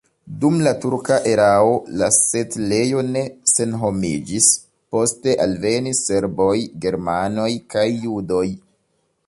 Dum la turka erao la setlejo ne senhomiĝis, poste alvenis serboj, germanoj kaj judoj.